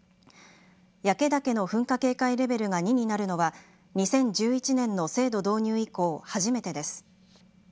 焼岳の噴火警戒レベルが２になるのは２０１１年の制度導入以降、初めてです。